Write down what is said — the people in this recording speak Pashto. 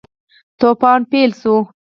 توپان پیل شو.